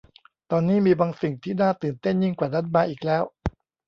ตอนนี้มีบางสิ่งที่น่าตื่นเต้นยิ่งกว่านั้นมาอีกแล้ว